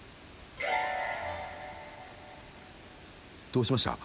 どうしました？